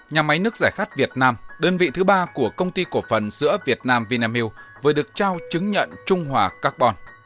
nhà máy nước giải khát việt nam đơn vị thứ ba của công ty cổ phần sữa việt nam vinamilk vừa được trao chứng nhận trung hòa carbon